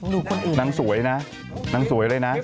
หนังสวยนะหนังสวยเลยนะ